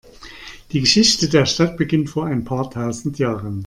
Die Geschichte der Stadt beginnt vor ein paar tausend Jahren.